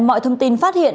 mọi thông tin phát hiện